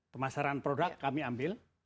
pemasaran produk kami ambil